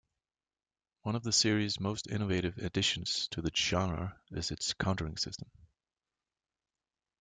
One of the series' most innovative additions to the genre is its countering system.